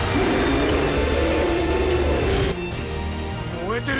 燃えてる！